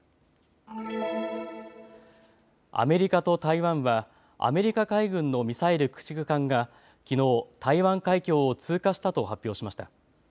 アメリカと台湾はアメリカ海軍のミサイル駆逐艦がきのう台湾海峡を通過したと発表しました。